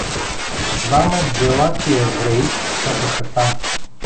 Двама джелати евреи чакаха там.